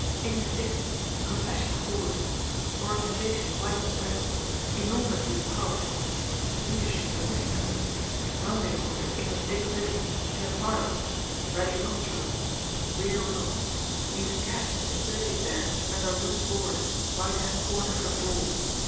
"English Dick ... confession forged ... organisation widespread ... enormously powerful ... leadership a mystery ... rendezvous that English Dick visits is at Marlopp's ... Reddy Mull's room ... rear room ... leaves cash and securities there under loose board, right hand corner from door